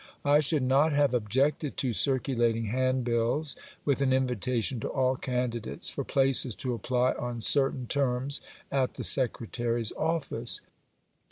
I should not have objected to circulating hand bills, with an invitation to all candidates for places to apply on certain terms at the secretary's office.